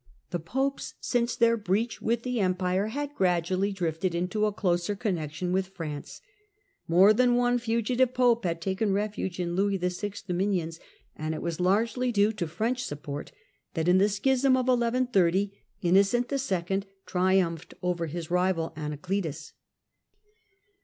The Popes, since their breach with the Empire, had gradually drifted into a closer connexion with France. More than one fugitive Pope had taken refuge in Louis VI.'s dominions, and it was largely due to French support that in the schism of 1130 (see p. 123) Innocent 11. triumphed over his rival Anacletus.